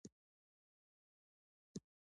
هم دا داغ لۀ دې جهانه د صنم وړم